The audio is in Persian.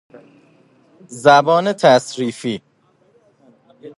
زبان تصریفی